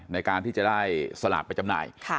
ในการที่จะได้สลากไปจำหน่าย